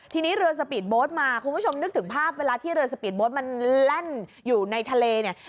ทีนี้เรือสปีดโบ๊ทมาคุณผู้ชมนึกถึงภาพเวลาที่เรือสปีดโบ๊ทมันแล่นอยู่ในทะเลเนี่ย